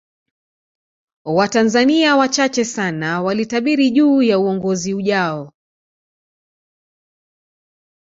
Watanzania wachache sana walitabiri juu ya uongozi ujayo